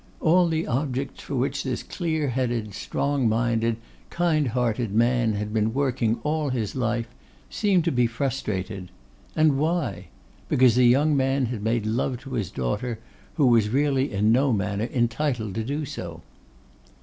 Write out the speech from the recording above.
All the objects for which this clear headed, strong minded, kind hearted man had been working all his life, seemed to be frustrated. And why? Because a young man had made love to his daughter, who was really in no manner entitled to do so.